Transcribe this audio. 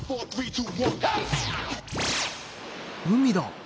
海だ。